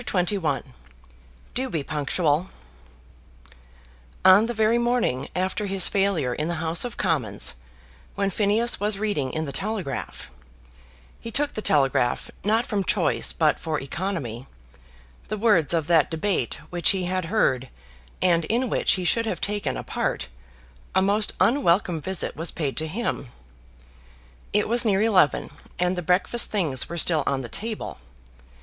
CHAPTER XXI "Do be punctual" On the very morning after his failure in the House of Commons, when Phineas was reading in the Telegraph, he took the Telegraph not from choice but for economy, the words of that debate which he had heard and in which he should have taken a part, a most unwelcome visit was paid to him. It was near eleven, and the breakfast things were still on the table.